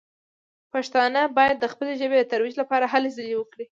پښتانه باید د خپلې ژبې د ترویج لپاره هلې ځلې وکړي.